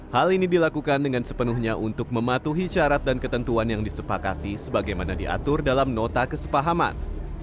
hal ini dilakukan dengan sepenuhnya untuk mematuhi syarat dan ketentuan yang disepakati sebagaimana diatur dalam nota kesepahaman